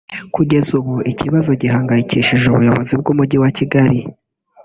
Kugeza ubu ikibazo gihangayikishije ubuyobozi bw’ Umujyi wa Kigali